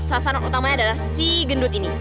sasaran utamanya adalah si gendut ini